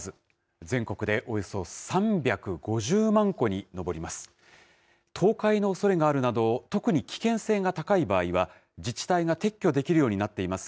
全国でおよそ３５０万戸に上ります。